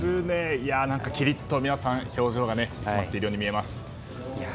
きりっと皆さん表情が締まっているように見えます。